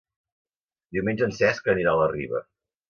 Diumenge en Cesc anirà a la Riba.